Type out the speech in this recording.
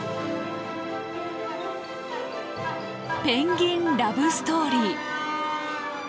「ペンギンラブストーリー」。